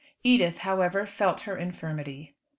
Edith, however, felt her infirmity.